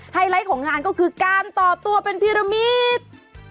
ไลท์ของงานก็คือการต่อตัวเป็นพิรมิต